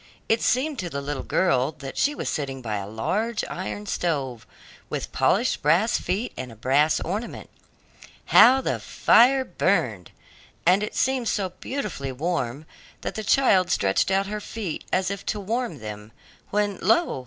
It seemed to the little girl that she was sitting by a large iron stove, with polished brass feet and a brass ornament. How the fire burned! and seemed so beautifully warm that the child stretched out her feet as if to warm them, when, lo!